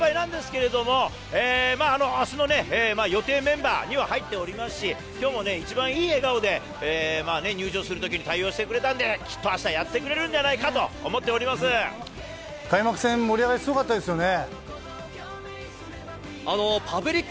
姫野選手、確かにコンディションが心配なんですけれども、あすの予定メンバーには入っていますし、きょうも一番いい笑顔で入場するときに対応してくれたんで、きっと明日はやってくれるんじゃないかと思開幕戦盛り上がりすごかったですよね。